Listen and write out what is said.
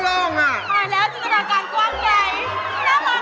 มาแล้วจุดระการกว้างใหญ่